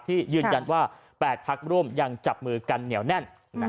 ยืนยันว่า๘พักร่วมยังจับมือกันเหนียวแน่น